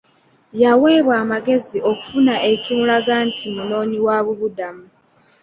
Yaweebwa amagezi okufuna ekimulaga nti munoonyi wa bubudamu.